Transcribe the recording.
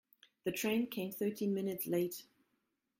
The train came thirteen minutes late.